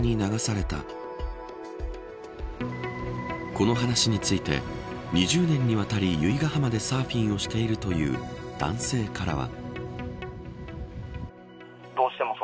この話について２０年にわたり由比ガ浜でサーフィンをしているという男性からは。